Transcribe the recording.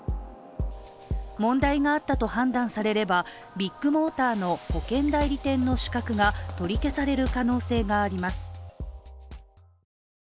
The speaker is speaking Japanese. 問題があったと判断されれば、ビッグモーターの保険代理店の資格が取り消される可能性があります。